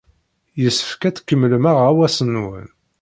Yessefk ad tkemmlem aɣawas-nwen.